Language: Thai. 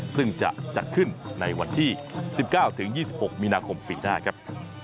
ซึ่งจะจัดขึ้นในวันที่๑๙๒๖มีนาคมปีหน้าครับ